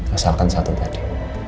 asalkan satu tadi